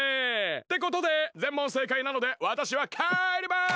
ってことで全問正解なのでわたしはかえります！